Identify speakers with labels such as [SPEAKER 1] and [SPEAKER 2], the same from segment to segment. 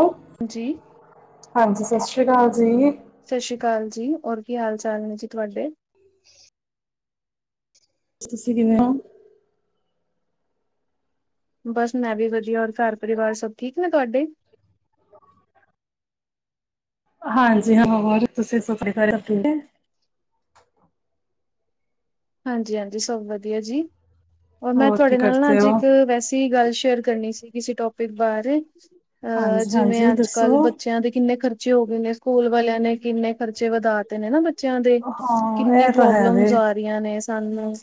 [SPEAKER 1] ਉਂ
[SPEAKER 2] ਜੀ
[SPEAKER 1] ਹਾਂਜੀ ਸਾਸਰੀਆ ਕਾਲ ਜੀ।
[SPEAKER 2] ਸਾਸਰੀ ਕਾਲ ਜੀ ਹੋਰ ਕੀ ਹਾਲ- ਚਾਲ ਨੇ ਜੀ ਤੁਹਾਡੇ।
[SPEAKER 1] ਤੁਸੀਂ ਕਿਵੇਂ ਹੋ?
[SPEAKER 2] ਬਸ ਮੈਂ ਵੀ ਵਧੀਆ ਔਰ ਘਰ ਪਰਿਵਾਰ ਸਭ ਠੀਕ ਨੇ ਤੁਹਾਡੇ।
[SPEAKER 1] ਹਾਂਜੀ ਹਾਂ ਹੋਰ ਤੁਸੀਂ ਦੱਸੋ ਘਰੇ ਠੀਕ ਐ।
[SPEAKER 2] ਹਾਂਜੀ- ਹਾਂਜੀ ਸਭ ਵਧੀਆ ਜੀ ਔਰ ਮੈਂ
[SPEAKER 1] ਹੋਰ ਕੀ
[SPEAKER 2] ਤੁਹਾਡੇ ਨਾਲ ਨਾ
[SPEAKER 1] ਕਰਦੇ
[SPEAKER 2] ਅੱਜ
[SPEAKER 1] ਹੋ?
[SPEAKER 2] ਇੱਕ ਵੈਸੇ ਵੀ ਗੱਲ ਸ਼ੇਅਰ ਕਰਨੀ ਸੀ ਕਿਸੇ ਟੋਪਿਕ ਬਾਰੇ। ਅਹ
[SPEAKER 1] ਹਾਂਜੀ
[SPEAKER 2] ਜਿਵੇਂ
[SPEAKER 1] ਹਾਂਜੀ
[SPEAKER 2] ਅੱਜ-ਕੱਲ੍ਹ
[SPEAKER 1] ਦੱਸੋ।
[SPEAKER 2] ਬੱਚਿਆਂ ਦੇ ਕਿੰਨੇ ਖਰਚੇ ਹੋ ਗਏ ਨੇ। ਸਕੂਲ ਵਾਲਿਆਂ ਨੇ ਕਿੰਨੇ ਖਰਚੇ ਵਧਾਤੇ ਨੇ ਨਾ ਬੱਚਿਆਂ ਦੇ
[SPEAKER 1] ਹਾਂ
[SPEAKER 2] ਕਿੰਨੀ
[SPEAKER 1] ਇਹ ਤਾਂ ਹੈ ਵੇ।
[SPEAKER 2] ਪ੍ਰੋਬਲਮਜ਼ ਆ ਰਹੀਆਂ ਨੇ ਸਾਨੂੰ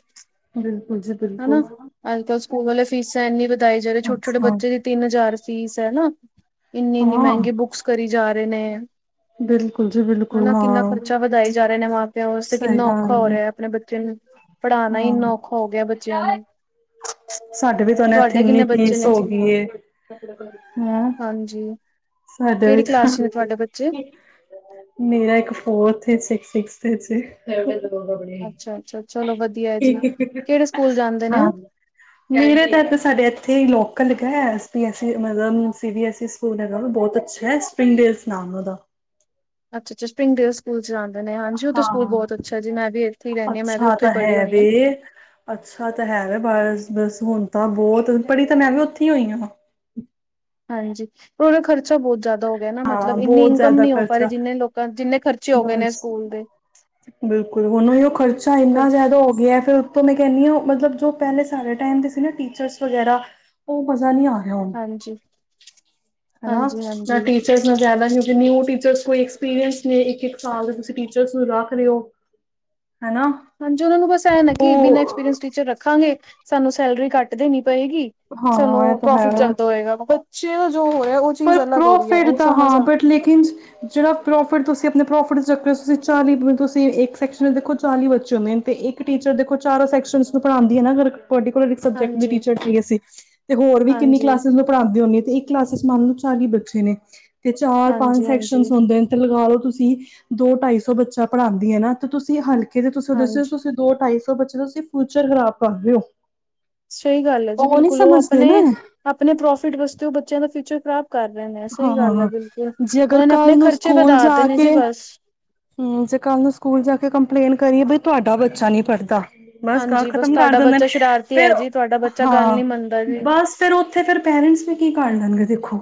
[SPEAKER 1] ਬਿਲਕੁਲ ਜੀ ਬਿਲਕਲ
[SPEAKER 2] ਹਨਾ ਅੱਜ-ਕੱਲ ਸਕੂਲ ਵਾਲੇ ਫੀਸਾਂ ਇਨੀਂ ਵਧਾਈ ਜਾ ਰਹੇ ਛੋਟ-ਛੋਟੇ
[SPEAKER 1] ਅੱਛਾ
[SPEAKER 2] ਬੱਚੇ ਤਿੰਨ ਹਜ਼ਾਰ ਫੀਸ ਐ ਨਾ। ਇੰਨੀ-ਇੰਨੀ
[SPEAKER 1] ਹਾਂ।
[SPEAKER 2] ਮਹਿੰਗੀ ਬੁੱਕਸ ਕਰੀ ਜਾ ਰਹੇ ਨੇ।
[SPEAKER 1] ਬਿਲਕੁਲ ਜੀ ਬਿਲਕੁਲ
[SPEAKER 2] ਹਨਾ
[SPEAKER 1] ਹਾਂ
[SPEAKER 2] ਕਿੰਨਾ ਖਰਚਾ ਵਧਾਈ ਜਾ ਰਹੇ ਨੇ ਮਾਂ-ਪਿਓ ਵਾਸਤੇ
[SPEAKER 1] ਸਹੀ
[SPEAKER 2] ਕਿੰਨਾ
[SPEAKER 1] ਗੱਲ
[SPEAKER 2] ਔਖਾ ਹੋ
[SPEAKER 1] ਹੈ।
[SPEAKER 2] ਰਿਹਾ। ਆਪਣੇ ਬੱਚੇ ਨੂੰ ਪੜ੍ਹਾਂਣਾ ਹੀ
[SPEAKER 1] ਹਾਂ
[SPEAKER 2] ਇੰਨਾ ਔਖਾ ਹੋ ਗਿਆ। ਬੱਚਿਆਂ ਨੂੰ
[SPEAKER 1] ਸਾਡੇ ਵੀ ਤਾਂ ਉਹਨੇ ਇੱਥੇ
[SPEAKER 2] ਤੁਹਾਡੇ
[SPEAKER 1] ਇੰਨੀ
[SPEAKER 2] ਕਿੰਨੇ ਬੱਚੇ
[SPEAKER 1] ਫੀਸ
[SPEAKER 2] ਨੇ
[SPEAKER 1] ਹੋ ਗਈ ਏ। ਹਮ
[SPEAKER 2] ਹਾਂਜੀ
[SPEAKER 1] ਸਾਡੇ ਵੀ
[SPEAKER 2] ਕਿਹੜੀ
[SPEAKER 1] ਤਾਂ
[SPEAKER 2] ਕਲਾਸ ਚ ਨੇ ਤੁਹਾਡੇ ਬੱਚੇ
[SPEAKER 1] ਮੇਰਾ ਇੱਕ ਫੋਰਥ ਇੱਕ ਸ ਸ ਸਿਸਥ ਚ
[SPEAKER 2] ਅੱਛਾ ਅੱਛਾ ਚਲੋ ਵਧੀਆ ਹੈ ਜੀ ਕਿਹੜੇ
[SPEAKER 1] [unintelligible]
[SPEAKER 2] ਸਕੂਲ ਜਾਂਦੇ ਨੇ
[SPEAKER 1] ਹਾਂ।
[SPEAKER 2] ਉਹ
[SPEAKER 1] ਮੇਰੇ ਤਾਂ ਸਾਡੇ ਇੱਥੇ ਹੀ ਲੋਕਲ ਲੱਗਾ ਹੋਇਆ ਸੀ ਐਸ ਸੀ ਮਤਲਬ C B S E school [unintelligible] ਬਹੁਤ ਅੱਛਾ [unintelligible] ਐ ਨਾਮ ਉਹਦਾ
[SPEAKER 2] ਅੱਛਾ-ਅੱਛਾ ਸਪਿੰਡਜ ਸਕੂਲ ਚਲਾਂਦੇ ਨੇ ਹਾਂਜੀ ਉਹ ਤੇ ਸਕੂਲ
[SPEAKER 1] ਹਾਂ।
[SPEAKER 2] ਬਹੁਤ ਅੱਛਾ ਜੀ ਮੈਂ ਵੀ ਇਥੇ ਹੀ ਰਹਿੰਨੀ ਆ। ਮੈਂ ਵੀ
[SPEAKER 1] ਅੱਛਾ
[SPEAKER 2] ਉੱਥੇ
[SPEAKER 1] ਤਾਂ
[SPEAKER 2] ਪੜੀ
[SPEAKER 1] ਹੈ
[SPEAKER 2] ਹੋਈ ਆ।
[SPEAKER 1] ਵੇ। ਅੱਛਾ ਤਾਂ ਹੈਗਾ ਬਸ-ਬਸ ਹੁਣ ਤਾਂ ਬਹੁਤ ਪੜ੍ਹੀ ਤਾਂ ਮੈਂ ਵੀ ਉੱਥੇ ਹੀ ਹੋਈ ਆ।
[SPEAKER 2] ਹਾਂਜੀ ਪਰ ਉਹਦਾ ਖਰਚਾ ਬਹੁਤ ਜ਼ਿਆਦਾ ਹੋ ਗਿਆ ਨਾ।
[SPEAKER 1] ਹਾਂ
[SPEAKER 2] ਮਤਲਬ ਇੰਨੀ
[SPEAKER 1] ਬਹੁਤ
[SPEAKER 2] ਇਨਕਮ
[SPEAKER 1] ਜ਼ਿਆਦਾ
[SPEAKER 2] ਨੀ ਹੋ ਪਾ ਰਹੀ।
[SPEAKER 1] ਖਰਚਾ
[SPEAKER 2] ਜਿੰਨੇ ਲੋਕਾਂ ਜਿੰਨੇ ਖਰਚੇ ਹੋ ਗਏ ਨੇ
[SPEAKER 1] ਬਸ
[SPEAKER 2] ਸਕੂਲ ਦੇ
[SPEAKER 1] ਬਿਲਕੁਲ ਹੁਣ ਉਹ ਖਰਚਾ ਇੰਨਾ ਜ਼ਿਆਦਾ ਹੋ ਗਿਆ। ਫਿਰ ਤੋਂ ਮੈਂ ਕਹਿੰਨੀ ਆ। ਮਤਲਬ ਜੋ ਪਹਿਲੇ ਸਾਰੇ ਟਾਈਮ ਦੇ ਸੀ ਨਾ ਟੀਚਰਸ ਵਗੈਰਾ ਉਹ ਮਜ਼ਾ ਨਹੀਂ ਆ। ਹ ਹੁਣ
[SPEAKER 2] ਹਾਂਜੀ
[SPEAKER 1] ਹਨਾ।
[SPEAKER 2] ਹਾਂਜੀ ਹਾਂਜੀ
[SPEAKER 1] [unintelligible] ਕਿਉਂਕਿ ਨਿਊ ਟੀਚਰਸ ਕੋਈ ਐਕਸਪੀਰੀਅੰਸ ਨੇ ਇੱਕ-ਇੱਕ ਸਾਲ ਦੇ ਤੁਸੀਂ ਟੀਚਰਸ ਨੂੰ ਰੱਖ ਲੋ। ਹਨਾ।
[SPEAKER 2] ਹਾਂਜੀ ਉਹਨਾਂ ਨੂੰ ਬਸ ਐਂ ਆ ਕਿ ਬਿਨਾਂ
[SPEAKER 1] ਉਹ
[SPEAKER 2] ਐਕਸਪੀਰੀਅੰਸ ਟੀਚਰ ਰੱਖਾਂਗੇ। ਸਾਨੂੰ ਸੈਲਰੀ ਕੱਟ ਦੇਣੀ ਪਏਗੀ।
[SPEAKER 1] ਹਾਂ ਇਹ
[SPEAKER 2] ਸਾਨੂੰ
[SPEAKER 1] ਤਾਂ
[SPEAKER 2] ਪ੍ਰੋਫਿਟ
[SPEAKER 1] ਹੈ
[SPEAKER 2] ਜ਼ਿਆਦਾ ਹੋਏਗਾ। ਬੱਚੇ ਜੋ ਹੋ ਰਿਹਾ ਉਹ
[SPEAKER 1] ਪਰ
[SPEAKER 2] ਚੀਜ਼ ਅਲੱਗ ਹੋ ਰਹੀ ਐ।
[SPEAKER 1] ਪ੍ਰੋਫਿਟ
[SPEAKER 2] ਉਹ
[SPEAKER 1] ਦਾ
[SPEAKER 2] ਸਮਝ
[SPEAKER 1] ਹਾਂ
[SPEAKER 2] ਆ
[SPEAKER 1] ਬਟ ਲੇਕਿਨ ਜਿੜਾ ਪ੍ਰੋਫਿਟ ਤੁਸੀਂ ਆਪਣੇ ਪ੍ਰੋਫਿਟ ਦੇ ਚੱਕਰ 'ਚ ਤੁਸੀਂ ਚਾਲੀ ਤੁਸੀਂ ਇੱਕ ਸੈਕਸ਼ਨ 'ਚ ਦੇਖੋ ਚਾਲੀ ਬੱਚੇ ਹੁੰਦੇ ਨੇ। ਅਤੇ ਇੱਕ ਟੀਚਰ ਦੇਖੋ ਚਾਰੇ ਸੈਕਸ਼ਨ ਨੂੰ ਪੜਾਂਦੀ ਐ ਨਾ ਫਿਰ ਕੌਡੀਕੁਲ ਵਿਚ ਸਬਜੈਕਟ ਦੇ
[SPEAKER 2] ਹਾਂਜੀ
[SPEAKER 1] ਟੀਚਰ ਕਿਹੜੇ ਸੀ। ਤੇ ਹੋਰ ਵੀ ਕਿੰਨੀ
[SPEAKER 2] ਹਾਂਜੀ
[SPEAKER 1] ਕਲਾਸ ਪੜਾਂਦੇ ਹੁੰਦੇ ਕਈ ਕਲਾਸਿਸ ਮਨ ਲੋ ਚੌਵੀ ਬੱਚੇ ਨੇ ਚਾਰ
[SPEAKER 2] ਹਾਂਜੀ
[SPEAKER 1] ਪੰਜ ਸੈਕਸ਼ਨ
[SPEAKER 2] ਹਾਂਜੀ
[SPEAKER 1] ਹੁੰਦੇ ਨੇ। ਲਗਾ ਲਓ ਤੁਸੀਂ ਦੋ ਢਾਈ ਸੌ ਬੱਚਾ ਪੜ੍ਹਾਦੀ ਆਂ ਨਾ। ਤੇ ਤੁਸੀਂ ਹਲਕੇ ਦੇ ਤੁਸੀਂ ਦੱਸੋ
[SPEAKER 2] ਹਾਂਜੀ
[SPEAKER 1] ਤੁਸੀਂ ਦੋ ਢਾਈ ਸੌ ਬੱਚੇ ਦਾ ਤੁਸੀਂ ਫਿਊਚਰ ਖ਼ਰਾਬ ਕਰਦੇ ਹੋ।
[SPEAKER 2] ਸਹੀ ਗੱਲ ਐ ਜੀ
[SPEAKER 1] ਨੀ
[SPEAKER 2] ਬਿਲਕੁਲ ਉਹ
[SPEAKER 1] ਸਮਝਦੇ
[SPEAKER 2] ਆਪਣੇ,
[SPEAKER 1] ਨਾ
[SPEAKER 2] ਆਪਣੇ ਪ੍ਰੋਫਿਟ ਵਾਸਤੇ ਉਹ ਬੱਚਿਆਂ ਦਾ ਫਿਊਚਰ ਖਰਾਬ ਕਰ ਰਹੇ ਨੇ ਸਹੀ ਗੱਲ ਐ
[SPEAKER 1] ਹਾਂ
[SPEAKER 2] ਬਿਲਕੁਲ,
[SPEAKER 1] ਜੇ ਅਗਰ
[SPEAKER 2] ਉਹਨਾਂ ਨੇ
[SPEAKER 1] ਕੱਲ
[SPEAKER 2] ਆਪਣੇ
[SPEAKER 1] ਨੂੰ
[SPEAKER 2] ਖਰਚੇ ਵਧਾ ਤੇ ਨੇ ਜੀ ਬਸ
[SPEAKER 1] ਹਮ ਜੇ ਕੱਲ ਨੂੰ ਸਕੂਲ ਜਾ ਕੇ ਕੰਪਲੇਂਨ ਕਰੀਏ ਬਈ ਤੁਹਾਡਾ ਬੱਚਾ ਨੀ ਪੜ੍ਹਦਾ। ਬਸ ਗਰ
[SPEAKER 2] ਹਾਂਜੀ
[SPEAKER 1] ਖ਼ਤਮ ਕਰ
[SPEAKER 2] ਤੁਹਾਡਾ
[SPEAKER 1] ਦਿੰਦੇ ਨੇ।
[SPEAKER 2] ਬੱਚਾ ਸ਼ਰਾਰਤੀ ਹੈ
[SPEAKER 1] ਫਿਰ,
[SPEAKER 2] ਜੀ ਤੁਹਾਡਾ ਬੱਚਾ ਗੱਲ
[SPEAKER 1] ਹਾਂ,
[SPEAKER 2] ਨੀ ਮੰਨਦਾ ਜੀ
[SPEAKER 1] ਬਸ ਫਿਰ ਉੱਥੇ ਫਿਰ ਪੈਰੈਂਟਸ ਨੂੰ ਕੀ ਕਾਰਢ ਲੈਣਗੇ ਦੇਖੋ।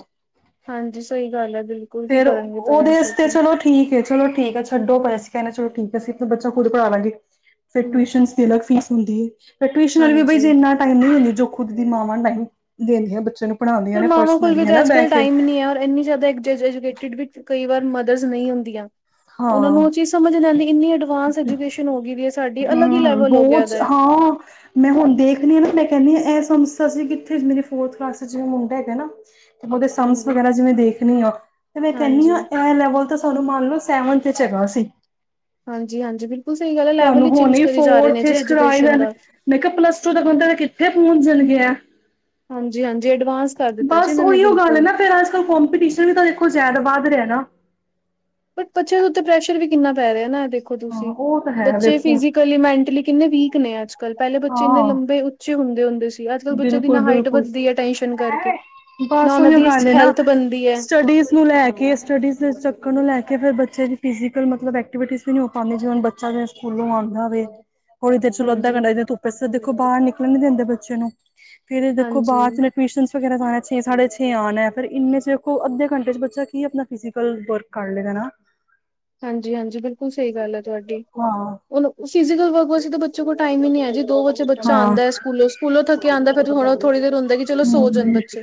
[SPEAKER 2] ਹਾਂਜੀ ਸਹੀ ਗੱਲ ਐ ਬਿਲਕੁਲ ਕੀ
[SPEAKER 1] ਫੇਰ
[SPEAKER 2] ਕਰਨਗੇ
[SPEAKER 1] ਉਹਦੇ
[SPEAKER 2] ਪੈਰੈਂਟਸ ਉਸ
[SPEAKER 1] ਵਾਸਤੇ
[SPEAKER 2] ਦਿਨ
[SPEAKER 1] ਚਲੋ ਠੀਕ ਹੈ ਚਲੋ ਠੀਕ ਛੱਡੋ ਪਰ ਅਸੀ ਕਹਿੰਨੇ ਚਲੋ ਠੀਕ ਆਂ ਬੱਚੇ ਖੁਦ ਪੜ੍ਹਾ ਲਾ ਗੇ। ਫਿਰ ਟਿਊਸ਼ਨ ਦੀ ਅਲੱਗ ਫੀਸ ਹੁੰਦੀ ਏ। ਫਿਰ ਟਿਊਸ਼ਨ ਵਾਲੀ ਵੀ ਬਈ ਜੇ
[SPEAKER 2] ਹਾਂਜੀ
[SPEAKER 1] ਇਨਾ ਇਹਨਾ ਹੈਨੀ ਜੋ ਖੁਦ ਦੀ ਮਾਵਾਂ ਟਾਈਮ ਦਿੰਦੀਆਂ ਬੱਚੇ ਨੂੰ ਪੜ੍ਹਾਉਂਦੀਆਂ
[SPEAKER 2] ਪਰ
[SPEAKER 1] ਨੇ
[SPEAKER 2] ਮਾਵਾਂ ਕੋਲ
[SPEAKER 1] ਪਰਸਨਲੀ
[SPEAKER 2] ਵੀ ਤਾਂ
[SPEAKER 1] ਹਨਾ ਬਹਿ
[SPEAKER 2] ਅੱਜ-ਕਲ
[SPEAKER 1] ਕੇ
[SPEAKER 2] ਟਾਈਮ ਨਹੀਂ ਐ। ਔਰ ਇੰਨੀ ਜ਼ਿਆਦਾ [unintelligible] ਕਈ ਵਾਰ ਮਦਰਸ ਨਹੀਂ ਹੁੰਦੀਆਂ। ਉਹਨਾਂ ਨੂੰ
[SPEAKER 1] ਹਾਂ
[SPEAKER 2] ਉਹ ਚੀਜ਼ ਸਮਝ ਆਂਦੀ ਹਾਂ ਐਜੂਕੇਸ਼ਨ ਹੋ ਗਈ ਐ ਵੀ ਸਾਡੀ ਅਲੱਗ ਹੀ
[SPEAKER 1] ਹੂੰ
[SPEAKER 2] ਲੈਵਲ ਹੋ ਗਿਆ
[SPEAKER 1] ਬਹੁਤ
[SPEAKER 2] ਗਾ।
[SPEAKER 1] ਹਾਂ ਮੈਂ ਹੁਣ ਦੇਖਣੀ ਆ ਨਾ ਮੈਂ ਕਹਿੰਨੀ ਆ ਐ ਸਾਨੂੰ ਦੱਸਿਆ ਸੀ। ਕਿ ਇਥੇ ਮੇਰੀ ਫੋਰਥ ਕਲਾਸ 'ਚ ਵੀ ਮੁੰਡਾ ਹੈਗਾ ਨਾ। ਉਹਦੇ ਸਮਸ
[SPEAKER 2] ਹਾਂਜੀ,
[SPEAKER 1] ਵਗੈਰਾ ਜਿਵੇਂ ਦੇਖਣੀ ਆ। ਤੇ ਮੈਂ ਕਹਿੰਨੀ ਆ
[SPEAKER 2] ਹਾਂਜੀ।
[SPEAKER 1] ਐ ਲੈਵਲ ਤਾਂ ਮੰਨ ਲਓ ਸੈਵਨਥ ਚ ਹੈਗਾ ਸੀ।
[SPEAKER 2] ਹਾਂਜੀ-ਹਾਂਜੀ ਬਿਲਕੁਲ ਸਹੀ ਗੱਲ ਐ। ਲੈਵਲ
[SPEAKER 1] ਤੁਹਾਨੂੰ
[SPEAKER 2] ਹੀ ਚੇਂਜ
[SPEAKER 1] ਹੁਣੇ
[SPEAKER 2] ਕਰੀ ਜਾ ਰਹੇ ਨੇ
[SPEAKER 1] ਫੋਰਥ
[SPEAKER 2] ਜੀ
[SPEAKER 1] ਚ ਕਰਾਏ
[SPEAKER 2] ਐਜੂਕੇਸ਼ਨ
[SPEAKER 1] ਨੇ।
[SPEAKER 2] ਦਾ।
[SPEAKER 1] ਮੈਂ ਕਿਹਾ ਪਲੱਸ ਟੂ ਦਾ ਬੰਦਾ ਤਾਂ ਕਿੱਥੇ ਪਹੁੰਚਣ ਗਿਆ।
[SPEAKER 2] ਹਾਂਜੀ-ਹਾਂਜੀ ਐਡਵਾਂਸ ਕਰ ਦਿੱਤਾ ਜੀ ਇਹਨਾਂ ਨੇ ਬਿਲਕੁਲ।
[SPEAKER 1] ਕੋਂਪੀਟੀਸ਼ਨ ਵੀ ਤਾਂ ਦੇਖੋ ਜ਼ਿਆਦਾ ਵੱਧ ਰਿਹਾ ਨਾਂ।
[SPEAKER 2] ਬਟ ਬੱਚਿਆਂ ਦੇ ਉੱਤੇ ਪ੍ਰੈਸ਼ਰ ਵੀ ਕਿੰਨਾਂ ਪੈ ਰਿਹਾ ਨਾਂ। ਵੇਖੋ
[SPEAKER 1] ਹਾਂ
[SPEAKER 2] ਤੁਸੀਂ
[SPEAKER 1] ਉਹ ਤਾਂ ਹੈ
[SPEAKER 2] ਬੱਚੇ
[SPEAKER 1] ਵੇਖੋ
[SPEAKER 2] ਫਿਜੀਕਲੀ ਮੈਂਟਲੀ ਕਿੰਨੇ ਵੀਕ ਨੇ ਅੱਜ-ਕੱਲ੍ਹ ਪਹਿਲੇ ਬੱਚੇ ਇੰਨੇ
[SPEAKER 1] ਹਾਂ
[SPEAKER 2] ਲੰਬੇ ਉ ਉਚੇ ਹੁੰਦੇ-ਹੁੰਦੇ ਸੀ। ਅੱਜ-ਕੱਲ੍ਹ ਬੱਚੇ ਦੀ
[SPEAKER 1] ਬਿਲਕੁਲ
[SPEAKER 2] ਨਾ ਹਾਈਟ
[SPEAKER 1] ਬਿਲਕੁਲ
[SPEAKER 2] ਵੱਧਦੀ ਹੈ ਟੈਸ਼ਨ ਕਰਕੇ, ਨਾ
[SPEAKER 1] ਬਸ
[SPEAKER 2] ਉਹਨਾਂ
[SPEAKER 1] ਉਹੀਓ
[SPEAKER 2] ਦੀ
[SPEAKER 1] ਗੱਲ ਏ ਨਾ
[SPEAKER 2] ਹੈਲਥ ਬਣਦੀ ਹੈ।
[SPEAKER 1] ਸਟੱਡੀਜ਼ ਨੂੰ ਲੈ ਕੇ ਸਟੱਡੀਜ਼ ਦੇ ਚੱਕਰ ਨੂੰ ਲੈ ਕੇ ਫਿਰ ਬੱਚੇ ਦੀ ਫਿਜ਼ੀਕਲ ਮਤਲਬ ਐਕਟੀਵਟੀ ਵੀ ਨਹੀਂ ਹੋ ਪਾਉਦੀ, ਜਿਵੇ ਹਣ ਬੱਚਾ ਜ ਸਕੂਲੋਂ ਆਉਂਦਾ ਹੋਵੇ। ਹੌਲੀ ਦੇਰ ਚੋ ਅੱਧਾ
[SPEAKER 2] ਹਾਂਜੀ,
[SPEAKER 1] ਕੰੰਡਾ ਧੁੱਪੇ ਸਿਰ ਦੇਖੋ ਬਾਹਰ ਨਿਕਲਣ ਨਹੀਂ ਦਿੰਦੇ ਬੱਚੇ ਨੂੰ ਫੇਰ ਦੇਖੋ
[SPEAKER 2] ਹਾਂਜੀ,
[SPEAKER 1] ਬਾਅਦ 'ਚ ਮ ਟਿਊਸ਼ਨਸ ਵਗੈਰਾ ਜਾਣਾ ਫੇਰ ਛੇ ਸਾਡੇ ਛ ਆਉਣਾ ਫਿਰ ਇਨੇ'ਚ ਦੇਖੋ ਅੱਧੇ ਘੰਟੇ ਬੱਚਾ ਕੀ ਆਪਣਾ ਫਿਜ਼ਕਲ ਵਰਕ ਕਰ ਲੇ ਗਾ ਨਾਂ।
[SPEAKER 2] ਹਾਂਜੀ-ਹਾਂਜੀ ਬਿਲਕੁਲ ਸਹੀ ਗੱਲ ਹੈ ਤੁਹਾਡੀ [unintelligible]
[SPEAKER 1] ਹਾਂ
[SPEAKER 2] ਹੁਣ ਫਿਜ਼ਕਲ ਵਰਕ ਵਾਸਤੇ ਤਾਂ ਬੱ ਬੱਚੇ ਕੋਲ ਟਾਈਮ ਹੀ ਨੀਂ ਹੈ ਜੀ ਦੋ ਵਜੇ ਬੱਚਾ
[SPEAKER 1] ਹਾਂ
[SPEAKER 2] ਆਉਦਾ ਹੈ। ਸਕੂਲੋਂ, ਸਕੂਲੋਂ ਥੱਕਿਆ ਆਂਦਾ ਫਿਰ ਹ ਥੋੜੀ ਦੇਰ ਹੁੰਦਾ ਚਲੋ ਸੋ
[SPEAKER 1] ਹਮ
[SPEAKER 2] ਜਾਣ ਬੱ ਅੱਛਾ।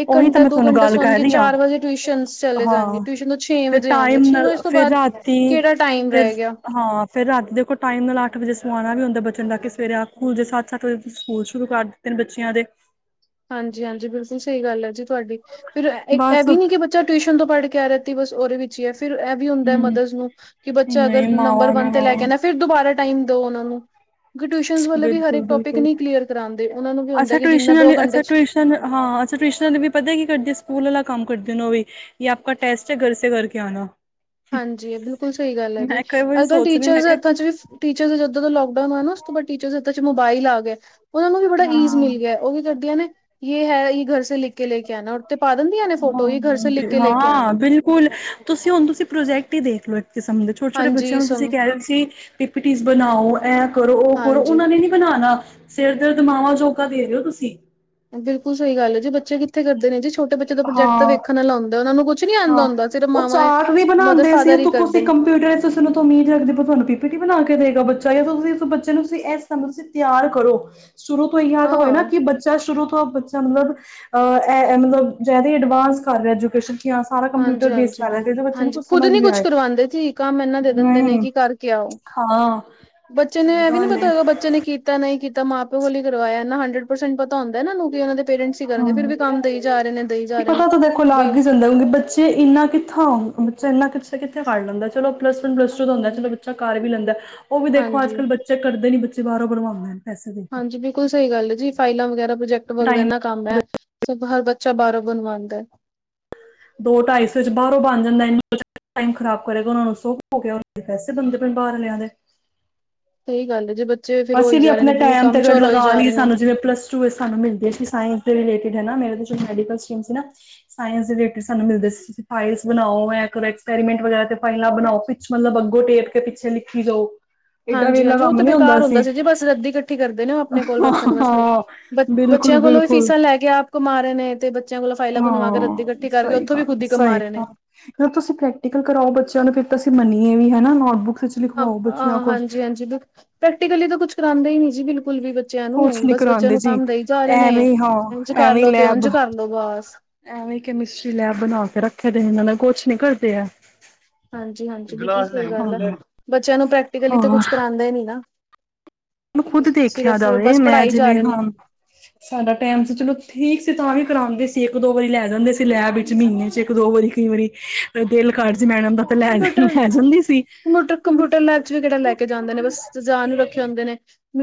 [SPEAKER 2] ਇੱਕ
[SPEAKER 1] ਉਹੀ ਤਾਂ
[SPEAKER 2] ਘੰਟਾ
[SPEAKER 1] ਮੈਂ
[SPEAKER 2] ਦੋ
[SPEAKER 1] ਤੁਹਾਨੂੰ
[SPEAKER 2] ਘੰਟਾ
[SPEAKER 1] ਗੱਲ
[SPEAKER 2] ਸੋਣ
[SPEAKER 1] ਕਰ
[SPEAKER 2] ਗੇ।
[SPEAKER 1] ਰਹੀ ਹਾਂ
[SPEAKER 2] ਚਾਰ ਵਜੇ ਟਿਊਸ਼ਨ ਚਲੇ ਜਾਣਗੇ।
[SPEAKER 1] ਹਾਂ
[SPEAKER 2] ਟਿਊਸ਼ਨ ਤੋਂ ਛੇ
[SPEAKER 1] ਫਿਰ
[SPEAKER 2] ਵਜੇ ਆਉਣਗੇ
[SPEAKER 1] ਟਾਈਮ
[SPEAKER 2] ਛੇ
[SPEAKER 1] ਨਾਲ
[SPEAKER 2] ਵਜੇ ਉਸ ਤੋਂ
[SPEAKER 1] ਫਿਰ
[SPEAKER 2] ਬਾਅਦ
[SPEAKER 1] ਰਾਤੀ
[SPEAKER 2] ਕਿਹੜਾ ਟਾਈਮ
[SPEAKER 1] ਫਿਰ
[SPEAKER 2] ਰਹਿ ਗਿਆ।
[SPEAKER 1] ਹਾਂ ਫਿਰ ਰਾਤ ਦੇਖੋ ਟਾਈਮ ਲਾ ਕੇ ਅੱਠ ਵਜੇ ਸਵਾਉਣਾ ਵੀ ਹੁੰਦਾ ਬੱਚਿਆਂ ਨੂੰ ਤਾਂ ਕਿ ਸਵੇਰੇ ਖੂਲ ਜ ਸੱਤ-ਸੱਤ ਵਜੇ ਸਕੂਲ ਸ਼ੁਰੂ ਕਰ ਦਿੱਤੇ ਨੇ ਬੱਚਿਆਂ ਦੇ।
[SPEAKER 2] ਹਾਂਜੀ-ਹਾਂਜੀ ਬਿਲਕੁਲ ਸਹੀ ਗੱਲ ਹੈ ਜੀ ਤੁਹਾਡੀ ਫਿਰ ਇਹ
[SPEAKER 1] ਬਸ
[SPEAKER 2] ਵੀ ਨੀ ਕਿ ਬੱ ਚਲ ਟਿਊਸ਼ਨ ਤੋਂ ਪੜ੍ਹ ਕੇ ਆ ਰਾਤੀ ਬਸ ਉਹਦੇ ਵਿੱਚ ਜਾਂ ਫਿਰ ਇਹ ਵੀ ਹੁੰਦਾ ਹੈ
[SPEAKER 1] ਹੂੰ
[SPEAKER 2] ਮਦਰਜ਼ ਨੂੰ ਕਿ ਬੱਚਾ ਅਗਰ
[SPEAKER 1] ਨਹੀਂ
[SPEAKER 2] ਨੰਬਰ
[SPEAKER 1] ਮਾਵਾਂ
[SPEAKER 2] ਵਨ
[SPEAKER 1] ਨੂੰ
[SPEAKER 2] ਤੇ ਲੈ
[SPEAKER 1] ਹਾਂ
[SPEAKER 2] ਕੇ ਆਣਾ ਫਿਰ ਦੁਬਾਰਾ ਟਾਈਮ ਦਿਓ ਉਹਨਾਂ ਨੂੰ ਟਿਊਸ਼ਨ ਵਾਲੇ ਵੀ ਹਰ
[SPEAKER 1] ਬਿਲਕੁਲ
[SPEAKER 2] ਇਕ ਟੋਪਿਕ
[SPEAKER 1] ਬਿਲਕੁਲ
[SPEAKER 2] ਨੀ ਕਲੀਅਰ ਕਰਾਂਦੇ, ਉਹਨਾਂ ਨੂੰ ਵੀ ਹੁੰਦਾ ਜਿੰਨਾ ਦੋ ਘੰਟੇ ਚ
[SPEAKER 1] ਸਾਨੂੰ ਹਾਂ ਅੱਛਾ ਟਿਊਸ਼ਨਾਂ ਤੇ ਵੀ ਪਤਾ ਕੀ ਕਰਦੇ, ਸਕੂਲ ਵਾਲਾ ਕੰਮ ਕਰਦੇ ਉਹ ਵੀ ਯੇ ਆਪ ਕਾ ਟੈਸਟ ਹੈ। ਘਰ ਸੇ ਕਰ ਕੇ ਆਣਾ
[SPEAKER 2] ਹਾਂਜੀ, ਬਿਲਕੁਲ ਸਹੀ ਗੱਲ ਹੈ ਜੀ
[SPEAKER 1] ਕਈ ਵਾਰੀ
[SPEAKER 2] ਅੱਜ-ਕੱਲ੍ਹ
[SPEAKER 1] ਸੋਚ ਰਹੀ
[SPEAKER 2] ਟੀਚਰ
[SPEAKER 1] ਮੈਂ
[SPEAKER 2] ਦੇ ਹੱਥਾਂ'ਚ
[SPEAKER 1] ਕਿਹਾ
[SPEAKER 2] ਵੀ ਟੀਚਰਜ਼ ਜਦੋਂ ਦਾ ਲਾਕਡਾਊਨ ਹੋਇਆ ਨਾਂ ਉਸ ਤੋਂ ਬਾਅਦ ਟੀਚਰਜ਼ ਦੇ ਹੱਥਾਂ'ਚ ਮੋਬਾਈਲ ਆ ਗਏ। ਉਹਨਾ ਨੂੰ ਵੀ ਬੜਾ ਈਜ਼
[SPEAKER 1] ਹਾਂ
[SPEAKER 2] ਮਿਲ ਗਿਆ। ਉਹ ਕੀ ਕਰਦੀਆਂ ਨੇ ਯੇ ਹੈ ਯੇ ਘਰ ਸੇ ਲਿਖ ਕੇ ਲੈ ਕੇ ਆਣਾ ਤੇ ਪਾ ਦਿੰਦੀਆਂ ਨੇ ਫੋਟੋ ਤੇ ਘਰ ਸੇ ਲਿਖ ਕੇ ਲੇ ਕੇ ਆਣਾ
[SPEAKER 1] ਸਕੂਲ ਤੁਸੀਂ ਹੁਣ ਤੁਸੀਂ ਪ੍ਰੋਜੈਕਟ ਹੀ ਦੇਖਲੋ ਇੱਕ ਕਿਸਮ ਦੇ ਛੋਟੇ- ਛੋਟੇ
[SPEAKER 2] ਹਾਂਜੀ
[SPEAKER 1] ਬੱਚਿਆਂ ਨੂੰ
[SPEAKER 2] ਸਮ
[SPEAKER 1] ਤੁਸੀਂ ਕਹਿ ਰਹੇ ਸੀ ਪਿਪੀਟੀਜ਼ ਬਣਾਓ। ਐ ਕਰੋ, ਉਹ ਕਰੋ
[SPEAKER 2] ਹਾਂਜੀ।
[SPEAKER 1] ਉਹਨਾਂ ਨੇ ਨੀਂ ਬਣਾਣਾ, ਸਿਰ ਦਰਦ ਮਾਵਾਂ ਜੋਗਾ ਦੇ ਰਹੇ ਹੋ ਤੁਸੀਂ।
[SPEAKER 2] ਬਿਲਕੁਲ ਸਹੀ ਗੱਲ ਹੈ ਜੀ ਬੱਚੇ ਕਿੱਥੇ ਕਰਦੇ ਨੇ ਜੀ ਛੋਟੇ ਬੱਚੇ ਦਾ ਪ੍ਰੋਜੈਕਟ
[SPEAKER 1] ਹਾਂ
[SPEAKER 2] ਵੇਖਣ ਵਾਲਾ ਹੁੰਦਾ ਉਹਨਾਂ ਨੂੰ ਕੁਝ
[SPEAKER 1] ਹਾਂ, ਉਹ ਚਾਰਟ ਵੀ
[SPEAKER 2] ਮਦਰ
[SPEAKER 1] ਬਣਾਉਂਦੇ ਸੀ
[SPEAKER 2] ਫਾਦਰ ਹੀ
[SPEAKER 1] ਉਤੋਂ
[SPEAKER 2] ਕਰਦੇ
[SPEAKER 1] ਤੁਸੀ
[SPEAKER 2] ਨੇ
[SPEAKER 1] ਕੰਪਿਊਟਰ ਤੁਸੀਂ ਇੰਨਾਂ ਤੋਂ ਉਮੀਦ ਰੱਖਦੇ ਓ ਤੁਹਾਨੂੰ ਪੀ-ਪੀ ਟੀ ਬਣਾ ਕੇ ਦੇਗਾ ਬੱਚਾ ਜਾਂ ਤੁਸੀਂ ਉਸ ਬੱਚੇ ਨੂੰ ਤੁਸੀਂ ਇਸ ਸਮੇਂ ਤੁਸੀਂ ਤਿਆਰ ਕਰੋ। ਸ਼ੁਰੂ ਤੋਂ ਇਹ ਤਾਂ
[SPEAKER 2] ਹਾਂ
[SPEAKER 1] ਹੋਏ ਨਾ ਕਿ ਬੱਚਾ ਸ਼ੁਰੂ ਤੋਂ ਏਦਾਂ ਮਤਲਬ, ਅ ਏ ਮਤਲਬ ਜ਼ਿਆਦਾ ਐਂਡਵਾਸ ਕਰ ਰਹੇ ਐਜੂਕੇਸ਼ਨ ਕੀ ਸਾਰਾ ਕੰਪਿਊਟਰ
[SPEAKER 2] ਹਾਂਜੀ
[SPEAKER 1] ਬੇਸ
[SPEAKER 2] ਹਾਂਜੀ।
[SPEAKER 1] ਕਰ ਰਿਹਾ ਜਿਹੜਾ ਬੱਚੇ ਨੂੰ
[SPEAKER 2] ਹਾਂਜੀ
[SPEAKER 1] ਕੁਛ
[SPEAKER 2] ਖੁਦ
[SPEAKER 1] ਸਮਝ
[SPEAKER 2] ਨੀ
[SPEAKER 1] ਵੀ
[SPEAKER 2] ਕੁਛ
[SPEAKER 1] ਆਏ,
[SPEAKER 2] ਕਰਵਾਂਦੇ ਜੀ ਕੰਮ ਇਨਾ ਦੇ ਦਿੰਦੇ ਨੇ
[SPEAKER 1] ਨਹੀਂ
[SPEAKER 2] ਕਿ ਕਰਕੇ ਆਓ
[SPEAKER 1] ਹਾਂ।
[SPEAKER 2] ਬੱਚੇ ਨੇ
[SPEAKER 1] ਸਹੀ
[SPEAKER 2] ਇਹ ਵੀ ਨੀ
[SPEAKER 1] ਗੱਲ
[SPEAKER 2] ਪਤਾ
[SPEAKER 1] ਹੈ
[SPEAKER 2] ਹੋਏਗਾ ਬੱਚੇ ਨੇ ਕੀ ਕੀਤਾ ਨਹੀਂ ਕੀਤਾ ਮਾਂ ਪਿਓ ਵੱਲੋਂ ਕਰਵਾਇਆ ਇਹਨਾਂ ਹੰਡਰਡ ਪਰਸੈਂਟ ਪਤਾ ਹੁੰਦਾ ਇਹਨਾਂ ਨੂੰ ਕਿ ਇਹਨਾਂ ਦੇ ਪੇਰੈਂਟਸ ਹੀ ਕਰਨਗੇ ਫਿਰ
[SPEAKER 1] ਹਾਂ
[SPEAKER 2] ਵੀ ਕੰਮ ਦਈ
[SPEAKER 1] [unintelligible]
[SPEAKER 2] ਜਾ ਰਹੇ ਨੇ ਦਈ ਜਾ ਰਹੇ
[SPEAKER 1] ਪਤਾ
[SPEAKER 2] ਨੇ
[SPEAKER 1] ਤਾਂ ਦੇਖੋ
[SPEAKER 2] ਵੀ
[SPEAKER 1] ਲਗ ਹੀ ਜਾਂਦਾ ਹ ਬੱਚੇ ਤੇ ਇੰਨਾ ਕਿੱਥੋ ਬੱਚਾ ਇੰਨਾ ਕਿੱਥੇ -ਕਿਥ ਫੜ ਲੈਂਦਾ ਚੋ ਪਲੱਸ ਵਨ ਪਲੱਸ ਟੂ
[SPEAKER 2] ਹਾਂਜੀ
[SPEAKER 1] ਦਾ
[SPEAKER 2] ਹਾਂਜੀ।
[SPEAKER 1] ਬੱਚਾ ਕਰ ਵੀ ਲੈਂਦਾ ਉਹ ਵੀ ਦੇਖੋ
[SPEAKER 2] ਹਾਂਜੀ
[SPEAKER 1] ਅੱਜ-ਕੱਲ੍ਹ ਬੱਚਾ ਚੈਕ ਕਰਦੇ ਨੀਂ ਬੱਚੇ ਬਾਹਰੋਂ ਬਣਵਾਉਂਦੇ ਨੇਂ
[SPEAKER 2] ਹਾਂਜੀ, ਬਿਲਕੁਲ ਸਹੀ ਗੱਲ ਜੀ ਫਾਇਲਾਂ ਵਗੈਰਾ, ਪ੍ਰਜੈਕਟ ਵਰਗੇ
[SPEAKER 1] ਟਾਈਮ
[SPEAKER 2] ਇਨਾਂ ਕੰਮ ਐ, ਸੋ ਹਰ ਬੱਚਾ ਬਾਹਰੋਂ ਬਣਵਾਂਦਾ।
[SPEAKER 1] ਦੋ -ਢਾਈ ਸੌ ਚ ਬਾਹਰੋਂ ਜਾਂਦਾ ਐਨਾ ਕੋਈ ਚੱਕਰ ਟਾਈਮ ਖ਼ਰਾਬ ਕਰੇਗਾ ਉਹਨਾਂ ਨੂੰ ਸੁਗ ਹੋ ਗਿਆ ਉਹ ਦੇ ਪੈਸੇ ਬਣਦੇ ਪਏ ਬਾਹਰ ਲਿਆਂਦੇ।
[SPEAKER 2] ਸਹੀ ਗੱਲ ਹੈ ਜੇ ਬੱਚੇ ਫੇਰ ਹੋਈ
[SPEAKER 1] ਅਸੀਂ ਵੀ
[SPEAKER 2] ਜਾ ਰਹੇ ਨੇ
[SPEAKER 1] ਆਪਣੇ
[SPEAKER 2] ਬੂ
[SPEAKER 1] ਟੈਮ
[SPEAKER 2] ਕੰਮ
[SPEAKER 1] ਤੇ
[SPEAKER 2] ਚੋਰ ਹੋਈ
[SPEAKER 1] ਲਗਾ
[SPEAKER 2] ਜਾ
[SPEAKER 1] ਲਈਏ
[SPEAKER 2] ਰਹੇ ਨੇ
[SPEAKER 1] ਸਾਨੂੰ ਜਿਵੇਂ ਪਲੱਸ ਸਾਨੂੰ ਮਿਲਦੀ ਹੈ ਸਾਇੰਸ ਦੇ ਰਿਲੇਟਡ ਮੇਰੇ ਮੈਡੀਕਲ ਸਟੀਮ ਸੀ ਨਾ। ਸਾਇੰਸ ਦੇ ਰੀਲੇਟਡ ਸਾਨੂੰ ਮਿਲਦੇ ਸੀ ਤੁਸੀਂ ਫਾਈਲਸ ਬਣਾਓ ਐਕਸਪੈਰੀਮੈਂਟ ਵਗੈਰਾ ਤੇ ਫਾਈਲਾ ਬਣਾਓ ਤੁਸੀਂ ਮਤਲਬ ਅੱਗੋਂ ਟੇਕ ਕੇ ਪਿੱਛੇ ਲਿਖੀ ਜਾਓ, ਏਡਾ
[SPEAKER 2] ਹਾਂਜੀ
[SPEAKER 1] ਨੇਲਾ
[SPEAKER 2] ਹਾਂਜੀ ਉਹ
[SPEAKER 1] ਕੰਮ
[SPEAKER 2] ਤਾਂ
[SPEAKER 1] ਨੀ ਹੁੰਦਾ
[SPEAKER 2] ਬੇਕਾਰ
[SPEAKER 1] ਸੀ।
[SPEAKER 2] ਜੀ ਬਸ ਰੱਦੀ ਇਕੱਠੀ ਕਰਦੇ ਨੇ ਉਹ ਆਪਣੇ ਕੋਲ
[SPEAKER 1] ਹਾਂ
[SPEAKER 2] ਰੱਖਣ ਵਾਸਤੇ, ਬ-
[SPEAKER 1] ਬਿਲਕੁਲ
[SPEAKER 2] ਬੱਚਿਆਂ ਕੋਲੋਂ ਵੀ
[SPEAKER 1] ਬਿਲਕੁਲ
[SPEAKER 2] ਫੀਸਾਂ ਲੈ ਕੇ ਆਪ ਕਮਾ ਰਹੇ ਨੇ ਤੇ ਬੱਚਿਆਂ ਕੋਲ ਫਾਈਲਾਂ ਬਣਵਾ ਕੇ ਰੱਦੀ
[SPEAKER 1] ਹਾਂ
[SPEAKER 2] ਇਕੱਠੀ ਕਰਕੇ ਉੱਥੋਂ ਵੀ ਖੁਦ ਹੀ ਕਮਾ ਰਹੇ ਨੇ।
[SPEAKER 1] ਫਿਰ ਤੁਸੀਂ ਪ੍ਰੈਕਟੀਕਲ ਕਰਾਓ ਬੱਚਿਆਂ ਨੂੰ ਫਿਰ ਤਾਂ ਅਸੀਂ ਮੰਨੀਏ ਵੀ ਹਨਾ ਨੋਟਬੁੱਕਸ ਲਿਖਵਾਓ ਬੱਚਿਆਂ
[SPEAKER 2] ਆਂ,
[SPEAKER 1] ਕੋਲ
[SPEAKER 2] ਹਾਂਜੀ -ਹਾਂਜੀ ਬਿਲਕੁਲ ਪ੍ਰੈਕਟੀਕਲੀ ਤਾਂ ਕੁਛ ਕਰਾਉਂਦਾ ਹੀ ਨੀ ਜੀ ਬਿਲਕੁਲ ਵੀ ਬ ਬੱਚਿਆਂ
[SPEAKER 1] ਕੁਛ
[SPEAKER 2] ਨੂੰ
[SPEAKER 1] ਨੀ
[SPEAKER 2] ਬਸ ਬੱਚਿਆਂ
[SPEAKER 1] ਕਰਾਉਂਦੇ
[SPEAKER 2] ਨੂੰ
[SPEAKER 1] ਜੀ
[SPEAKER 2] ਕੰਮ ਦਈ ਜਾ ਰਹੇ ਨੇ
[SPEAKER 1] ਐਵੇਂ ਹਾਂ
[SPEAKER 2] ਇੰਝ
[SPEAKER 1] ਐਵੇਂ
[SPEAKER 2] ਕਰਲੋ ਤੇ ਇੰਝ
[SPEAKER 1] ਲੈਬ
[SPEAKER 2] ਕਰਲੋ ਬਸ।
[SPEAKER 1] ਐਵੇਂ ਕੈਮਿਸਟਰੀ ਲੈਬ ਬਣਾ ਕੇ ਰੱਖੇ ਦੇ ਇਹਨਾਂ ਨੇ ਕੁਛ ਨੀ ਕਰਦੇ ਹੈ।
[SPEAKER 2] ਹਾਂਜੀ -ਹਾਂਜੀ ਬਿਲਕੁਲ ਸਹੀ ਗੱਲ ਆ,
[SPEAKER 1] ਹੋਰ
[SPEAKER 2] ਬੱਚਿਆਂ ਨੂੰ ਪ੍ਰੈਕਟੀਕਲੀ ਤਾਂ ਕੁਛ ਕਰਾਉਂਦਾ ਨੀ ਨਾ।
[SPEAKER 1] ਮੈਂ ਖੁੱਦ ਦੇਖਿਆ
[SPEAKER 2] ਸਿਰਫ
[SPEAKER 1] ਜਾਵੇ
[SPEAKER 2] ਬਸ
[SPEAKER 1] ਮੈਂ
[SPEAKER 2] ਪੜ੍ਹਾਈ ਜਾ
[SPEAKER 1] ਜਿਵੇਂ
[SPEAKER 2] ਰਹੇ ਨੇ
[SPEAKER 1] ਹਾਂ ਸਾਡਾ ਟੈਮ ਸੀ ਚਲੋ ਠੀਕ ਸੀ ਤਾਂ ਵੀ ਕਰਾਉਂਦੇ ਸੀ ਇੱਕ ਦੋ ਵਾਰੀ ਲੈ ਜਾਂਦੇ ਸੀ ਲੈਬ ਵਿੱਚ
[SPEAKER 2] ਹਾਂਜੀ
[SPEAKER 1] ਮਹੀਨੇ ਚ। ਇੱਕ-ਦੋ ਵਾਰੀ ਕਈ ਵਾਰੀ ਦਿਲ ਕਰ ਜ਼ੇ ਮੈਡਮ ਦਾ ਤਾਂ ਲੈ,
[SPEAKER 2] ਕੰਪਿਊਟਰ
[SPEAKER 1] ਲੈ ਜਾਂਦੀ। ਸੀ
[SPEAKER 2] ਕੰਪਿਊਟਰ, ਕੰਪਿਊਟਰ ਲੈਬ 'ਚ' ਵੀ ਕਿਹੜਾ ਲੈ ਕੇ ਜਾਂਦੇ ਨੇ ਬੱਸ ਸੁਜਾਨ ਨੂੰ ਰੱਖੇ ਹੁੰਦੇ ਨੇ।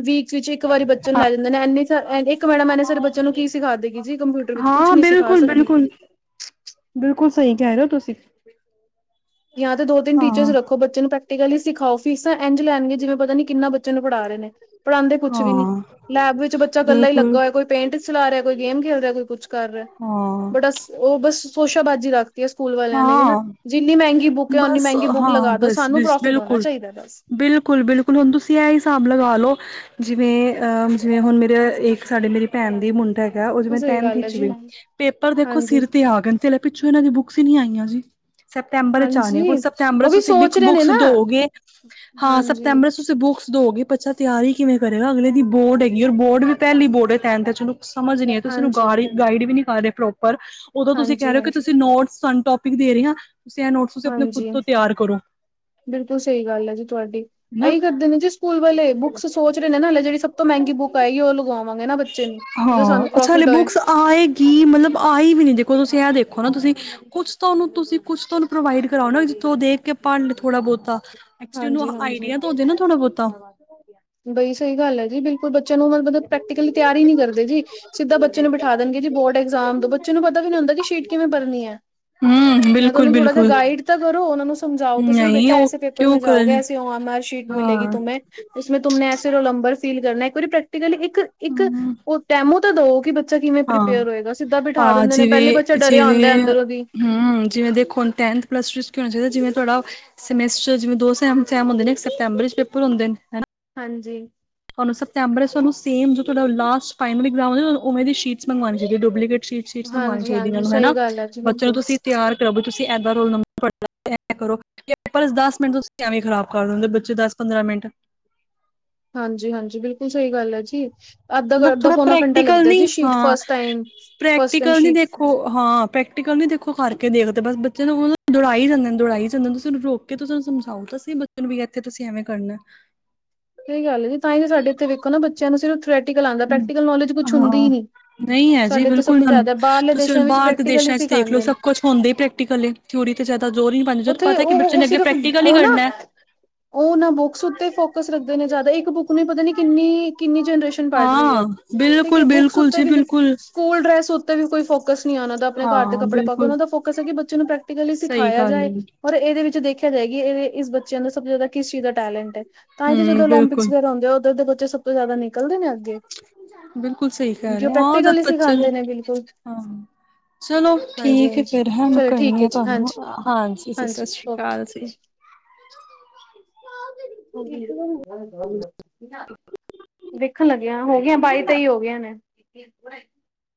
[SPEAKER 2] ਵੀਕਸ ਵਿੱਚ ਇੱਕ ਵਾਰੀ ਬੱਚੇ ਨੂੰ
[SPEAKER 1] ਹਾਂ
[SPEAKER 2] ਲੈ ਜਾਂਦੇ ਨੇ ਇੰਨੀ 'ਚ' ਇੱਕ ਮੈਡਮ ਐਨੇ ਸਾਰੇ ਬੱਚਿਆ ਨੂੰ ਕੀ ਸਿਖਾ ਦੇਗੀ ਜੀ ਕੰਪਿਊਟਰ ਵਿੱਚ। ਕੁਛ
[SPEAKER 1] ਹਾਂ
[SPEAKER 2] ਨੀ ਸਿਖਾ
[SPEAKER 1] ਬਿਲਕੁਲ
[SPEAKER 2] ਸਕਦੀ।
[SPEAKER 1] ਬਿਲਕੁਲ ਬਿਲਕੁਲ ਸਹੀ ਕਹਿ ਰਹੇ ਹੋ ਤੁਸੀਂ।
[SPEAKER 2] ਜਾਂ ਤੇ ਦੋ-ਤਿੰਨ ਟੀਚਰਜ
[SPEAKER 1] ਹਾਂ
[SPEAKER 2] ਰੱਖੋ ਬੱਚੇ ਨੂੰ ਪ੍ਰੈਕਟੀਕਲੀ ਸਿਖਾਉ ਫੀਸਾਂ ਇੰਝ ਲੈਣਗੇ ਜਿਵੇਂ ਪਤਾ ਕਿੰਨਾ ਬੱ ਬੱਚੇ ਨੂੰ ਪੜ੍ਹਾ ਰਹੇ ਨੇ, ਪੜ੍ਹਾਉਂਦੇ ਕੁਛ ਵੀ ਨੀ।
[SPEAKER 1] ਹਾਂ
[SPEAKER 2] ਲੈਬ ਵਿੱਚ ਬੱਚਾ ਇਕੱਲਾ ਹੀ
[SPEAKER 1] ਬਿਲਕੁਲ
[SPEAKER 2] ਲੱਗਾ ਹੋਇਆ ਕੋਈ ਪੇਂਟ ਚਲਾ ਰਿਹਾ, ਕੋਈ ਗੇਮ ਖੇਲ ਰਿਹਾ, ਕੋਈ ਕੁਛ ਕਰ ਰਿਹਾ।
[SPEAKER 1] ਹਾਂ
[SPEAKER 2] ਬੜਾ ਉਹ ਬੱਸ ਸੋਸ਼ਾਬਾਜ਼ੀ ਰੱਖਦੀ ਆ ਸਕੂਲ ਵਾਲਿਆਂ ਨੇ ਵੀ ਨਾ ਜਿੰਨੀ ਮਹਿੰਗੀ ਬੁੱਕ ਹੈ ਓਨੀ
[SPEAKER 1] ਬੱਸ
[SPEAKER 2] ਮਹਿੰਗੀ ਬੁੱਕ
[SPEAKER 1] ਹਾਂ,
[SPEAKER 2] ਲਗਾ ਦੋ
[SPEAKER 1] ਬੱਸ
[SPEAKER 2] ਸਾਨੂੰ
[SPEAKER 1] ਬਿਸ
[SPEAKER 2] ਪ੍ਰੋਫਿਟ ਹੋਣਾ
[SPEAKER 1] ਬਿਲਕੁਲ।
[SPEAKER 2] ਚਾਹੀਦਾ ਬਸ।
[SPEAKER 1] ਬਿਲਕੁਲ-ਬਿਲਕੁਲ ਹੁਣ ਤੁਸੀਂ ਇਹ ਹਿਸਾਬ ਲਗਾ ਲਉ। ਜਿਵੇਂ ਅਹ ਜਿਵੇਂ ਹੁਣ ਮੇਰੇ ਇੱਕ ਸਾਡੇ ਮੇਰੀ ਭੈਣ ਦੀ ਮੁੰਡਾ ਐ। ਉਹ ਜਿਵੇ
[SPEAKER 2] ਸਹੀ
[SPEAKER 1] ਟੈੰਥ
[SPEAKER 2] ਗੱਲ ਹੈ
[SPEAKER 1] ਵਿੱਚ
[SPEAKER 2] ਜੀ
[SPEAKER 1] ਏ, ਪੇਪਰ ਦੇਖੋ
[SPEAKER 2] ਹਾਂਜੀ।
[SPEAKER 1] ਸਿਰ ਤੇ ਆ ਗੇ ਤੇ ਪਿੱਛੋਂ ਇਹਨਾਂ ਦੀ ਬੁੱਕਸ ਹੀ ਨੀ ਆਈਆਂ ਜੀ। ਸੈਪਤੰਬਰ 'ਚ'
[SPEAKER 2] ਹਾਂਜੀ,
[SPEAKER 1] ਆਣੇ ਸਤੰਬਰ
[SPEAKER 2] ਉਹ ਵੀ
[SPEAKER 1] ਤੁਸੀਂ
[SPEAKER 2] ਸੋਚ
[SPEAKER 1] [unintelligible]
[SPEAKER 2] ਰਹੇ ਨੇ
[SPEAKER 1] ਬੁੱਕ
[SPEAKER 2] ਨਾ
[SPEAKER 1] ਦਿਉਗੇ, ਹਾਂ
[SPEAKER 2] ਹਾਂਜੀ,
[SPEAKER 1] ਸੈਪਤੰਬਰ ਤੁਸੀਂ ਬੁੱਕਸ ਦਿਓਗੇ ਬੱਚਾ ਤਿਆਰੀ ਕਿਵੇਂ ਕਰੇਗਾ ਅਗਲੇ ਦੀ ਬੋਰਡ ਹੈਗੀ ਔਰ ਬੋਰਡ ਵੀ ਪਹਿਲੀ ਬੋਰਡ ਹੈ ਟੈੰਨਤ ਚਲੋ ਸਮਝ ਨੀ ਐ ਤੁਸੀਂ
[SPEAKER 2] ਹਾਂਜੀ,
[SPEAKER 1] ਗਾਡ ਗਾਈਡ ਵੀ ਨੀ ਕਰ ਰਹੇ ਪ੍ਰੋਪਰ ਉਦੋਂ ਤੁਸੀਂ ਕਹਿ
[SPEAKER 2] ਹਾਂਜੀ,
[SPEAKER 1] ਰਹੇ ਹੋ ਕਿ
[SPEAKER 2] ਹਾਂਜੀ।
[SPEAKER 1] ਤੁਸੀਂ ਨੋਟ ਤਾਨੂੰ ਟੋਪਿਕ ਦੇ ਰਹੇ ਆ, ਤੁਸੀਂ ਇਹ ਨੋਟ ਤੁਸੀਂ ਆਪਣੇ ਖੁਦ
[SPEAKER 2] ਹਾਂਜੀ,
[SPEAKER 1] ਤੋਂ ਤਿਆਰ ਕਰੋ।
[SPEAKER 2] ਬਿਲਕੁਲ ਸਹੀ ਗੱਲ ਐ ਜੀ ਤੁਹਾਡੀ,
[SPEAKER 1] ਹਨਾ
[SPEAKER 2] ਇਹੀ ਕਰਦੇ ਨੇ ਜੀ ਸਕੂਲ ਵਾਲੇ ਬੁੱਕਸ ਸੋਚ ਰਹੇ ਨੇ ਨਾ ਹਲੇ ਜਿਹੜੀ ਤੋਂ ਮਹਿੰਗੀ ਬੁੱਕ ਆਏਗੀ ਉਹ ਲਗਵਾਵਾਂਗੇ ਬੱਚੇ ਨੂੰ ਤਾਂ ਜੋ
[SPEAKER 1] ਹਾਂ
[SPEAKER 2] ਸਾਨੂੰ
[SPEAKER 1] ਅੱਛਾ ਹਲੇ
[SPEAKER 2] ਪ੍ਰੋਫਿਟ ਹੋਏ।
[SPEAKER 1] ਬੁੱਕਸ ਆਏਗੀ ਮਤਲਬ ਆਏ ਵੀ ਨਹੀਂ ਦੇਖੋ ਤੁਸੀਂ ਇਹ ਦੇਖੋ ਨਾ ਤੁਸੀਂ ਕੁੱਛ ਤੁ ਉਹਨੂੰ ਤੁਸੀਂ ਕੁਛ ਤੁਹਾਨੂੰ ਪ੍ਰੋਵਾਈਡ ਕਰਾਓ ਨਾ ਜਿੱਥੋਂ ਦੇਖ ਕੇ ਆਪਾ ਥੋੜਾ ਬਹੁਤਾ ਐਕਚੁਲੀ ਉਹਨੂੰ
[SPEAKER 2] ਹਾਂਜੀ-ਹਾਂਜੀ।
[SPEAKER 1] ਆਈਡੀਆ ਤਾਂ ਹੋਜੇ ਨਾ ਥੋੜਾ ਬਹੁਤਾ।
[SPEAKER 2] ਬਈ ਸਹੀ ਗੱਲ ਐ ਜੀ ਬਿਲ ਬੱਚੇ ਨੂੰ ਮਲਬ ਪ੍ਰੈਕਲੀ ਤਿਆਰੀ ਨੀ ਕਰਦੇ ਜੀ ਸਿੱਧਾ ਬੱਚੇ ਨੂੰ ਬਿਠਾ ਦੇਣਗੇ ਜੀ ਬੋਰਡ ਐਗਜ਼ਾਮ ਦੋ ਬੱ ਬੱਚੇ ਨੂੰ ਪਤਾ ਵੀ ਨੀ ਹੁੰਦਾ ਕਿ ਸ਼ੀਟ ਕਿਵੇਂ ਭਰਨੀ ਆ।
[SPEAKER 1] ਹੂੰ,
[SPEAKER 2] ਜਾਂ ਤਾਂ ਉਹਨੂੰ ਥੋੜਾ ਜਿਹਾ
[SPEAKER 1] ਬਿਲਕੁਲ-ਬਿਲਕੁਲ
[SPEAKER 2] ਗਾਈਡ ਤਾਂ ਕਰੋ ਉਹਨਾ ਨੂੰ ਸਮਝਾਉ ਤੁਸੀਂ
[SPEAKER 1] ਨਹੀਂ
[SPEAKER 2] ਬੇਟਾ
[SPEAKER 1] ਉਹ
[SPEAKER 2] ਐਸੇ ਪੇਪਰ ਮੇ
[SPEAKER 1] ਕਿਉਂ
[SPEAKER 2] ਜਾਓਗੇ
[SPEAKER 1] ਕਰਨ
[SPEAKER 2] ਐਸੇ ਓ ਐੱਮ ਆਰ ਸੀਟ ਮਿਲੇਗੀ
[SPEAKER 1] ਹਾਂ,
[SPEAKER 2] ਤੁਮੇ ਇਸੇ ਮੇ ਤੁਮ ਨੇ ਐਸੇ ਰੋਲਨੰਬਰ ਫੀਲ ਕਰਨਾ ਇੱਕ ਵਾਰੀ ਪ੍ਰੈਕਟੀਕਲੀ ਇੱਕ ਇੱਕ
[SPEAKER 1] ਹੂੰ,
[SPEAKER 2] ਉਹ ਟੈਮੋ ਤਾਂ ਦੋ ਕਿ ਬੱ ਬੱਚਾ ਕਿਵੇਂ
[SPEAKER 1] ਹਾਂ।
[SPEAKER 2] ਪ੍ਰੀਪੇਅਰ ਹੋਏਗਾ। ਸਿੱਧਾ ਬਿਠਾ
[SPEAKER 1] ਹਾਂ,
[SPEAKER 2] ਦਿੰਦੇ ਨੇ ਪਹਿਲੀ ਬੱਚਾ ਡਰਿਆ ਆਉਂਦਾ ਅੰਦਰੋਂ ਦੀ।
[SPEAKER 1] ਹਮ ਜਿਵੇਂ ਦੇਖੋ ਹੁਣ ਟੈਨਥ, ਪਲੱਸ ਟੂ 'ਚ' ਕੀ ਹੋਣਾ ਚਾਹੀਦਾ ਜਿਵੇਂ ਤੁਹਾਡਾ ਸਮੈਸਟਰ ਜਿਵੇਂ ਦੋ ਸੈਮ ਹੁੰਦੇ ਨੇ ਇੱਕ ਸਪਤੰਬਰ 'ਚ' ਪੇਪਰ ਹੁੰਦੇ ਨੇ ਹੈਨਾ
[SPEAKER 2] ਹਾਂਜੀ।
[SPEAKER 1] ਤੁਹਾਨੂੰ ਸੈਪਟੈਬਰ ਸੇਮ ਜੋ ਤੋਹਾਡਾ ਲਾਸਟ ਫਾਈਨਲ ਇਲਜ਼ਾਮ ਓਵੇਂ ਦੀ ਸੀ਼ਟਸ ਮੰਗਵਾਨੀ ਚਾਹੀਦੀ ਡੁਬਲੀਕੇਟ ਸੀ਼ਟ ਸੀਟਸ ਮੰਗਵਾਣੀ
[SPEAKER 2] ਹਾਂਜੀ
[SPEAKER 1] ਚਾਹੀਦੀ ਇਹਨਾਂ
[SPEAKER 2] ਹਾਂਜੀ
[SPEAKER 1] ਨੂੰ ਹਨਾ,
[SPEAKER 2] ਸਹੀ ਗੱਲ ਹੈ ਜੀ
[SPEAKER 1] ਬੱਚੇ ਨੂੰ
[SPEAKER 2] ਬਿਲਕੁਲ
[SPEAKER 1] ਤੁਸੀਂ ਤਿਆਰ ਤੁਸੀਂ [unintelligible] ਦਸ ਮਿੰਟ ਤੁਸੀਂ ਐਵੇਂ ਖ਼ਰਾਬ ਕਰਦੇ ਬੱਚੇ ਦਸ-ਪੰਦਰਾਂ ਮਿੰਟ
[SPEAKER 2] ਹਾਂਜੀ-ਹਾਂਜੀ ਬਿਲਕੁਲ ਸਹੀ ਗੱਲ ਆ ਜੀ
[SPEAKER 1] ਮਤਲਬ
[SPEAKER 2] ਅੱਧਾ-ਅੱਧਾ
[SPEAKER 1] ਥੋੜਾ
[SPEAKER 2] ਪੌਨਾ ਘੰਟਾ
[SPEAKER 1] ਪ੍ਰੈਕਟੀਕਲ
[SPEAKER 2] ਲੱਗਦਾ
[SPEAKER 1] ਨੀ
[SPEAKER 2] ਜੀ ਸ਼ੀਟ
[SPEAKER 1] ਹਾਂ
[SPEAKER 2] first time first time
[SPEAKER 1] practical ਨੀ
[SPEAKER 2] ਸ਼ੀਟ
[SPEAKER 1] ਦੇਖੋ ਹਾਂ, ਪ੍ਰੈਕਟੀਕਲ ਨੀ ਦੇਖੋ ਕਰਕੇ ਦੇਖਦੇ ਬੱਸ ਬੱਚੇ ਨੂੰ ਉਹ ਨੂੰ ਦੌੜਾ ਹੀ ਜਾਂਦੇ ਦੌੜਾਈ ਜਾਂਦੇ ਤੁਸੀਂ ਉਹਨੂੰ ਰੋਕ ਕਿ ਤੁਸੀਂ ਉਹਨੂੰ ਸਮਝਾਉ ਤਾਂ ਸੀਂ ਬੱਚੇ ਨੂੰ ਵੀ ਇੱਥੇ ਤੁਸੀਂ ਐਵੇਂ ਕਰਨਾ
[SPEAKER 2] ਸਹੀ ਗੱਲ ਐ ਜੀ ਤਾਂ ਹੀ ਜੇ ਸਾਡੇ ਇਥੇ ਵੇਖੋ ਨਾ ਬੱਚਿਆਂ ਨੂੰ ਸਿਰਫ ਥਰੈਟੀਕਲ ਆਂਦਾ ਪ੍ਰੈਕਟੀਕਲ ਨੋਜ ਕੁਛ ਹੁੰਦੀ
[SPEAKER 1] ਹਾਂ
[SPEAKER 2] ਨੀ
[SPEAKER 1] ਨਹੀਂ ਹੈ ਜੀ, ਬਿਲਕੁਲ ਤੁਸੀਂ
[SPEAKER 2] ਦੇਸ਼ਾਂ
[SPEAKER 1] ਹੁਣ
[SPEAKER 2] ਵਿੱਚ
[SPEAKER 1] ਬਾਹਰ
[SPEAKER 2] ਪ੍ਰੈਕਟੀਕਲ ਹੀ
[SPEAKER 1] ਦੇਸ਼ਾਂ ' ਦੇਖ ਲਓ
[SPEAKER 2] ਸਿਖਾਂਦੇ ਨੇ।
[SPEAKER 1] ਸਭ ਕੁਛ ਹੁੰਦਾ ਹੀ ਪ੍ਰੈਕਟੀਕਲ ਏ ਥਿਊਰੀ ਤੇ ਜ਼ਿਆਦਾ ਜ਼ੋਰ ਨਹੀਂ ਪਾਉਂਦੇ ਜਦੋਂ
[SPEAKER 2] ਉੱਥੇ
[SPEAKER 1] ਪਤਾ ਕਿ ਬੱਚੇ
[SPEAKER 2] ਉਹ-ਉਹ
[SPEAKER 1] ਨੇ ਅੱਗੇ
[SPEAKER 2] ਸਿਰਫ
[SPEAKER 1] ਪ੍ਰੈਕਟੀਕਲ ਈ
[SPEAKER 2] ਉਹ ਨਾ
[SPEAKER 1] ਕਰਨਾ।
[SPEAKER 2] ਉਹ ਨਾ ਬੁੱਕਸ ਉੱਤੇ ਫੋਕਸ ਰੱਖਦੇ ਨੇ ਜ਼ਿਆਦਾ ਬੁੱਕ ਨੂੰ ਹੀ ਪਤਾ ਨੀ ਕਿੰਨੀ ਕਿੰਨੀ ਜਨਰੇਸ਼ਨ ਪੜ੍ਹ ਰਹੀ ਐ,
[SPEAKER 1] ਹਾਂ
[SPEAKER 2] ਠੀਕ ਐ
[SPEAKER 1] ਬਿਲਕੁਲ
[SPEAKER 2] ਬੁੱਕਸ
[SPEAKER 1] ਬਿਲਕੁਲ
[SPEAKER 2] ਉੱਤੇ
[SPEAKER 1] ਜੀ
[SPEAKER 2] ਵੀ ਨੇ
[SPEAKER 1] ਬਿਲਕੁਲ
[SPEAKER 2] ਸਕੂਲ ਡਰੈਸ ਉੱਤੇ ਵੀ ਕੋਈ ਫੋਕਸ ਨਹੀਂ ਉਨ੍ਹਾਂ ਦਾ ਆਪਣੇ ਘਰ ਦੇ
[SPEAKER 1] ਹਾਂ
[SPEAKER 2] ਕੱਪੜੇ ਪਾ ਕੇ
[SPEAKER 1] ਬਿਲਕੁਲ
[SPEAKER 2] ਉਹਨਾਂ ਦਾ ਫੋਕਸ ਹੈ ਕਿ ਬੱਚੇ ਨੂੰ ਪ੍ਰੈਕ ਕਲੀ
[SPEAKER 1] ਸਹੀ
[SPEAKER 2] ਸਿਖਾਇਆ
[SPEAKER 1] ਗੱਲ
[SPEAKER 2] ਜਾਏ।
[SPEAKER 1] ਏ
[SPEAKER 2] ਔਰ ਇਹਦੇ ਵਿੱਚ ਦੇਖਿਆ ਜਾਏਗੀ ਇਹ ਇਸ ਬੱਚਿਆਂ ਨੂੰ ਸਭ ਤੋਂ ਜ਼ਿਆਦਾ ਕਿਸ ਚੀਜ਼ ਦਾ ਟੈਲੈਂਟ ਹੈ। ਤਾਂ ਹੀ ਤਾਂ ਜਦੋਂ
[SPEAKER 1] ਹੂੰ
[SPEAKER 2] ਓਲੰਪਿਕ
[SPEAKER 1] ਬਿਲਕੁਲ
[SPEAKER 2] ਵਗੈਰਾ ਹੁੰਦੇ ਆ ਉੱਧਰ ਦੇ ਬੱਚੇ ਸਭ ਤੋਂ ਜ਼ਿਆਦਾ ਨਿਕਲਦੇ ਨੇ ਅੱਗੇ
[SPEAKER 1] ਬਿਲਕੁਲ ਸਹੀ ਕਹਿ
[SPEAKER 2] ਜੋ
[SPEAKER 1] ਰਹੇ ਹਾਂ ਜਦ
[SPEAKER 2] ਪ੍ਰੈਕਟੀਕਲੀ
[SPEAKER 1] ਬੱਚੇ
[SPEAKER 2] ਸਿਖਾਂਦੇ ਨੇ ਬਿਲਕੁਲ
[SPEAKER 1] [unintelligible] ਹਾਂ ਚਲੋ ਠੀਕ ਹੈ,
[SPEAKER 2] ਹਾਂਜੀ-ਹਾਂਜੀ
[SPEAKER 1] ਫਿਰ ਹੈ ਮੈਂ
[SPEAKER 2] ਚਲੋ ਠੀਕ
[SPEAKER 1] ਕਰਨੀ
[SPEAKER 2] ਹੈ
[SPEAKER 1] ਆਂ
[SPEAKER 2] ਜੀ
[SPEAKER 1] ਤੁਹਾਨੂੰ
[SPEAKER 2] ਹਾਂਜੀ-ਹਾਂਜੀ
[SPEAKER 1] ਹਾਂਜੀ ਜੀ, ਸਸ਼੍ਰੀ
[SPEAKER 2] ਓਕੇ।
[SPEAKER 1] ਕਾਲ ਜੀ।
[SPEAKER 2] ਓਕੇ [unintelligible] ਵੇਖਣ ਲੱਗਿਆ ਹੋ ਗਿਆ ਬਾਈ ਤੇਈ ਹੋ ਗਿਆ ਨੇ।